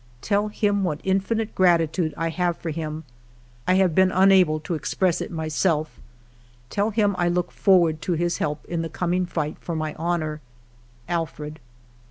Tell him what infinite gratitude I have for him ; I have been unable to express it myself Tell him I look forward to his help in the coming fight for my honor. Alfred.'